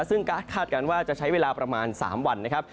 ซึ่งการ์ดคาดการณ์ว่าจะใช้เวลาประมาณ๓วันนะครับ